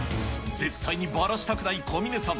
絶対にばらしたくない、小峰さん。